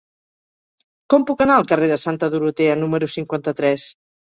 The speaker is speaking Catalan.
Com puc anar al carrer de Santa Dorotea número cinquanta-tres?